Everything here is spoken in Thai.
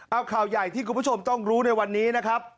เอาข่าวใหญ่ที่คุณผู้ชมต้องรู้ในวันนี้นะครับ